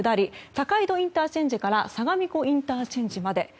高井戸ＩＣから相模湖ＩＣまで。